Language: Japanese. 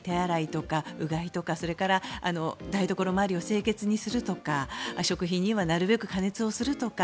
手洗いとかうがいとか台所周りを清潔にするとか食品はなるべく加熱するとか